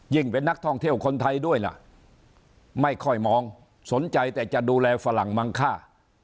เป็นนักท่องเที่ยวคนไทยด้วยล่ะไม่ค่อยมองสนใจแต่จะดูแลฝรั่งมังค่า